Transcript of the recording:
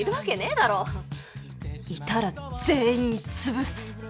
心の声いたら全員潰す。